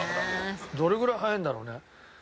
どれぐらい早いんだろうね？